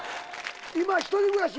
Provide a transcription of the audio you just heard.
今１人暮らし？